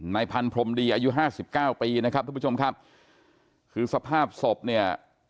ในพันธุ์พรมดีอายุ๕๙ปีนะครับทุกผู้ชมครับคือสภาพศพเนี่ย